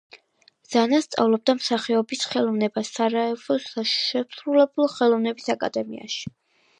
ზანა სწავლობდა მსახიობობის ხელოვნებას სარაევოს საშემსრულებლო ხელოვნების აკადემიაში.